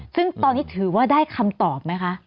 ซึ่งตอนนี้ถือว่าได้คำตอบไหมคะ